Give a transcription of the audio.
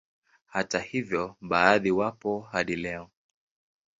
Hata hivyo baadhi wapo hadi leo